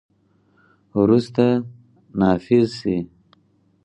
وروسته، نافذ شي.